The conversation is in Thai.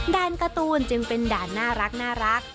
ด่านการ์ตูนจึงเป็นด่านน่ารัก